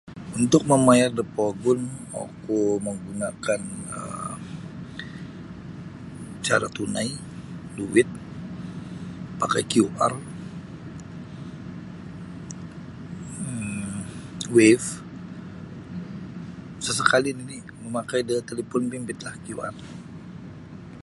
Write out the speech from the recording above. Untuk mamayar da pogun oku manggunakan um cara tunai duit pakai QR um wave sasakali nini mamakai da talipin bimbitlah QR.